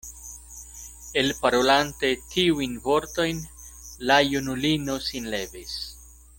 Elparolante tiujn vortojn, la junulino sin levis.